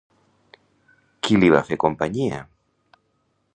Qui li va fer companyia?